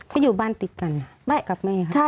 เขาอยู่บ้านติดกันกับแม่